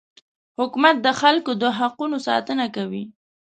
حکومت د خلکو د حقونو ساتنه کوي.